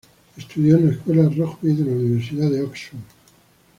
Estudió en la Escuela Rugby de la Universidad de Oxford.